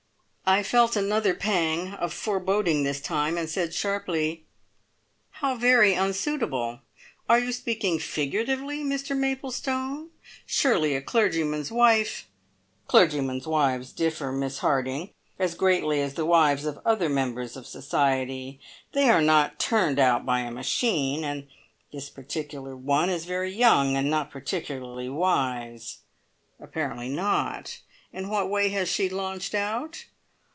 I felt another pang of foreboding this time, and said sharply: "How very unsuitable! Are you speaking figuratively, Mr Maplestone? Surely a clergyman's wife " "Clergymen's wives differ, Miss Harding, as greatly as the wives of other members of society. They are not turned out by a machine, and this particular one is very young, and not particularly wise." "Apparently not. In what way has she `launched out'?"